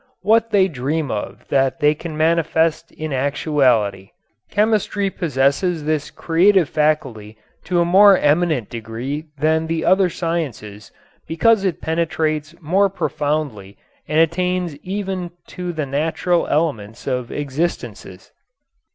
What they dream of that they can manifest in actuality.... Chemistry possesses this creative faculty to a more eminent degree than the other sciences because it penetrates more profoundly and attains even to the natural elements of existences.